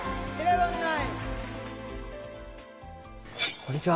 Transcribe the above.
こんにちは。